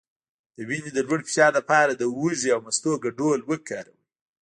د وینې د لوړ فشار لپاره د هوږې او مستو ګډول وکاروئ